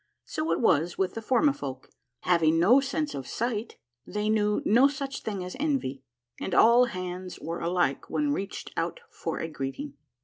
So it was with the Formifolk, having no sense of sight they knew no such thing as envy, and all hands were alike when reached out for a greeting.